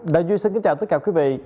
đại duy xin kính chào tất cả quý vị